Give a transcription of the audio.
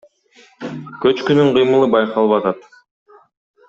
Көчкүнүн кыймылы байкалып атат.